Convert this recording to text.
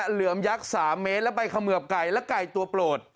เหลือมยักษ์๓เมตรแล้วไปเขมือบไก่และไก่ตัวโปรด